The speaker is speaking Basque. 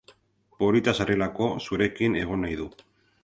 Polita zarelako zurekin egon nahi du.